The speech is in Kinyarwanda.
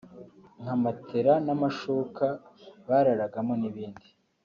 nka matelas n’amashuka bararagamo n’ibindi